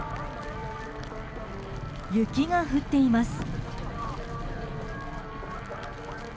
雪が降っています。